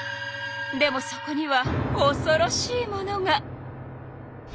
でもそこにはおそろしいものが！